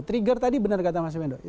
trigger tadi benar kata mas wendo